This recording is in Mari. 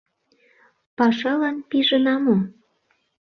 Пашалан пижына мо?